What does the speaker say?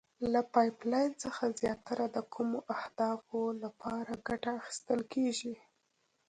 له پایپ لین څخه زیاتره د کومو اهدافو لپاره ګټه اخیستل کیږي؟